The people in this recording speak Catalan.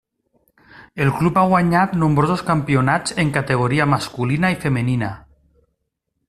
El club ha guanyat nombrosos campionats en categoria masculina i femenina.